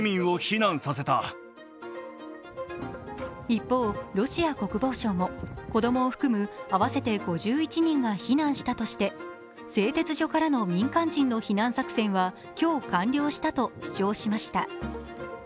一方、ロシア国防省も子供を含む合わせて５１人が避難したとして製鉄所からの民間人の避難作戦は今日、完了したと主張しました。